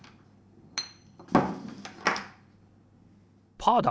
パーだ！